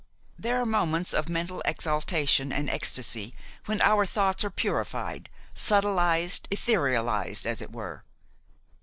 There are moments of mental exaltation and ecstasy when our thoughts are purified, subtilised, etherealised as it were.